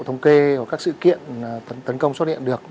thông kê của các sự kiện tấn công xuất hiện được